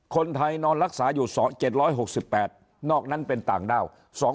คนไทยนอนรักษาอยู่๗๖๘นอกนั้นเป็นต่างด้าว